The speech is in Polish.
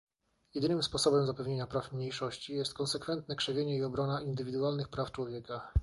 Jedynym sposobem zapewnienia praw mniejszości jest konsekwentne krzewienie i obrona indywidualnych praw człowieka